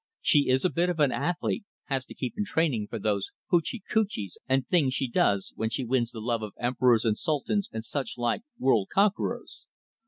She is a bit of an athlete has to keep in training for those hoochie coochies and things she does, when she wins the love of emperors and sultans and such like world conquerors.